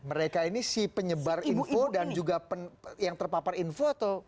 mereka ini si penyebar info dan juga yang terpapar info atau